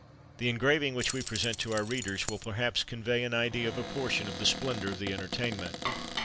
The engraving which we present to our readers[F] will perhaps convey an idea of a portion of the splendour of the entertainment.